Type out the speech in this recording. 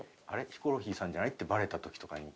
ヒコロヒーさんじゃない？」ってバレた時とかに。